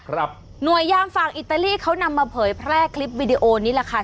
หน่วยยามฝากอิตาลีเขานำมาเผยแพร่คลิปวิดีโอนี้แหละค่ะ